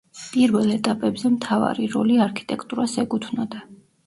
პირველ ეტაპებზე მთავარი როლი არქიტექტურას ეკუთვნოდა.